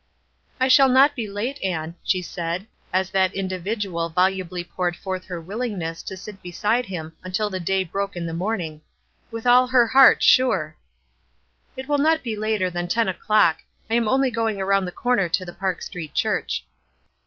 22 338 WISE AND OTHERWISE. "I shall not be late, Ann," she said, as that individual volubly poured forth her willingness to sit beside him until the day broke in the morn ing, e? with all her heart, sure." " It will not be later than ten o'clock. I am only going around the corner to the Park Street Church."